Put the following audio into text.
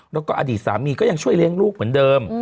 แล้วก็อดีตสามีก็ยังช่วยเลี้ยงลูกเหมือนเดิม